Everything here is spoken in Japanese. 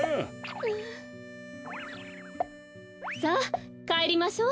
さあかえりましょう。